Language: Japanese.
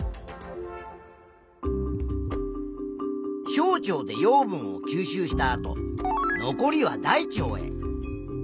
小腸で養分を吸収したあと残りは大腸へ。